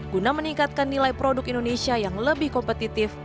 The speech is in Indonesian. guna meningkatkan nilai produk indonesia yang lebih kompetitif